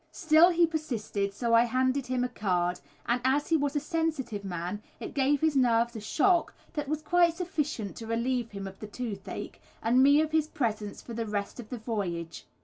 Still he persisted, so I handed him a card, and as he was a sensitive man it gave his nerves a shock that was quite sufficient to relieve him of the toothache, and me of his presence for the rest of the voyage.